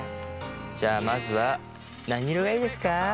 じゃあまずは何色がいいですか？